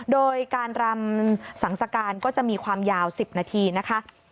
โดยการรำสังสการก็จะมีความยาว๑๐นาทีนะคะ